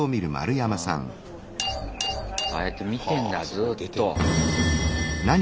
ああやって見てんだずっと。